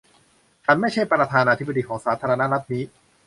ฉันไม่ใช่ประธานาธิบดีของสาธารณรัฐนี้